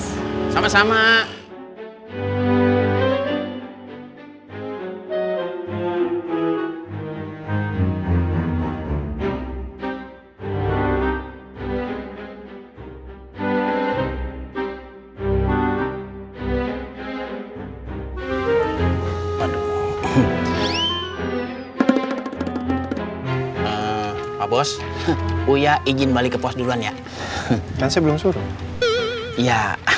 sampai jumpa di video selanjutnya